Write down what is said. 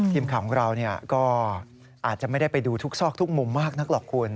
ทีมข่าวของเราก็อาจจะไม่ได้ไปดูทุกซอกทุกมุมมากนักหรอกคุณ